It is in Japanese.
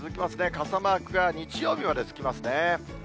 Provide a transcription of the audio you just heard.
傘マークが日曜日までつきますね。